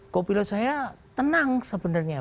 kopilot saya tenang sebenarnya